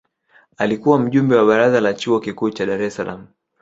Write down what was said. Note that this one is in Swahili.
alikuwa mjumbe wa baraza la chuo kikuu cha dar es salaam